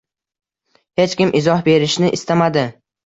hech kim izoh berishni istamadi.